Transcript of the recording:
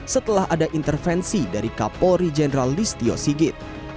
setelah ada intervensi dari kapolri jenderal listio sigit